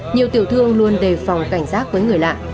nhiều tiểu thương luôn đề phòng cảnh giác với người lạ